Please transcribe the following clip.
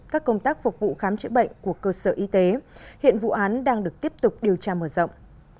các công tác phục vụ khám chữa bệnh của cơ sở y tế hiện vụ án đang được tiếp tục điều tra mở rộng